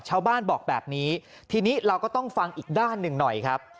ชาวบ้านบอกแบบนี้ทีนี้เราก็ต้องฟังอีกด้านหนึ่งหน่อยครับ